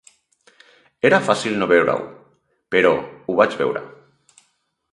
Era fàcil no veure-ho, però ho vaig veure.